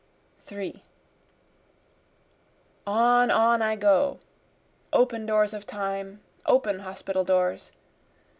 3 On, on I go, (open doors of time! open hospital doors!)